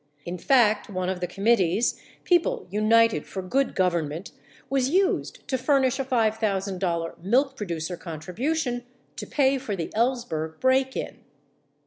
In fact, one of the committees, People United for Good Government, Avas used to furnish a $5,000 milk pro ducer contribution to pay for the Ellsberg break in.